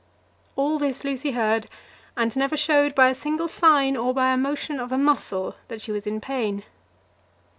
All this Lucy heard, and never showed by a single sign, or by a motion of a muscle, that she was in pain.